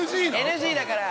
ＮＧだから。